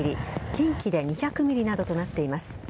近畿で２００ｍｍなどとなっています。